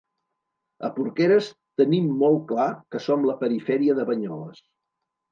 A Porqueres tenim molt clar que som la perifèria de Banyoles.